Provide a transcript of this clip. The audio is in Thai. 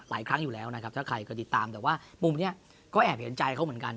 หลายครั้งอยู่แล้วนะครับถ้าใครเคยติดตามแต่ว่ามุมนี้ก็แอบเห็นใจเขาเหมือนกัน